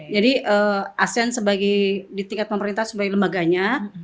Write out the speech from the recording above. jadi asean sebagai di tingkat pemerintah sebagai lembaganya